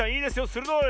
するどい！